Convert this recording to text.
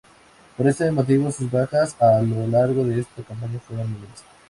Por este motivo sus bajas a lo largo de esta campaña fueron mínimas.